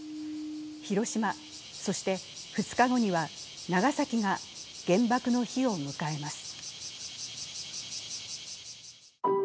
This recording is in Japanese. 広島、そして２日後には長崎が原爆の日を迎えます。